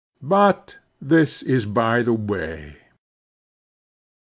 But this is by the way.